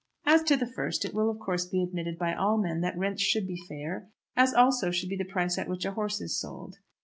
As to the first, it will, of course, be admitted by all men that rents should be fair, as also should be the price at which a horse is sold.